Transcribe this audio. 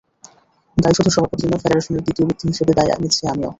দায় শুধু সভাপতির নয়, ফেডারেশনের দ্বিতীয় ব্যক্তি হিসেবে দায় নিচ্ছি আমিও।